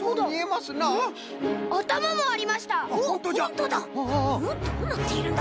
どうなっているんだ？